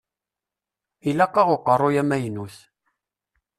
Ilaq-aɣ uqeṛṛuy amaynut.